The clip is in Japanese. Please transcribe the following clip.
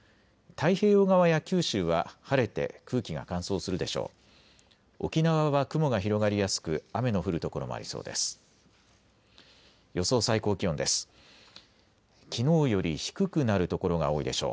太平洋側や九州は晴れて空気が乾燥するでしょう。